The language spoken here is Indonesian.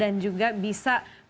dan juga bisa